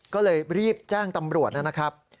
ก็เลยรีบแจ้งตำรวจนะครับ